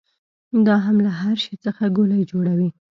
دا هم له هر شي څخه ګولۍ جوړوي.